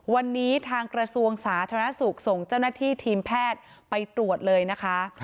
วันนี้ทางกระทรวงสาธารณสุขส่งเจ้าหน้าที่ทีมแพทย์ไปตรวจเลยนะคะ